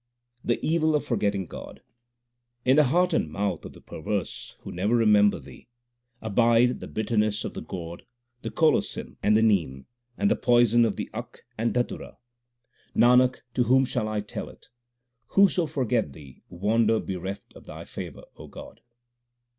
The evil of forgetting God : In the heart and mouth of the perverse who never re member Thee, Abide the bitterness of the gourd, the colocynth, and the nim, and the poison of the akk 1 and dhatura. 1 Calotropis procera. HYMNS OF GURU NANAK 289 Nanak, to whom shall I tell it ? Whoso forget Thee wander bereft of Thy favour, O God.